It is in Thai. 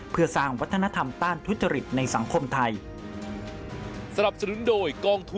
เพื่อสร้างวัฒนธรรมต้านทุจริตในสังคมไทย